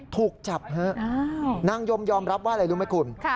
ถูกจับแล้วนางย้มยอมรับอะไรรู้ไหมคุณ